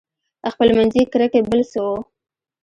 خپلمنځي کرکې بل څه وو.